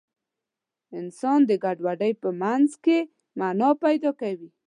انسان د ګډوډۍ په منځ کې مانا پیدا کوي.